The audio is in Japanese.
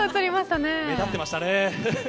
目立ってましたね。